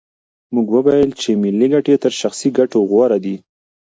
موږ وویل چې ملي ګټې تر شخصي ګټو غوره دي.